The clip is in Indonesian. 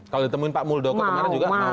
kalau ditemuin pak muldoko kemarin juga mau